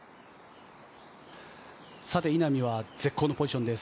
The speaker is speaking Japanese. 稲見は絶好のポジションです。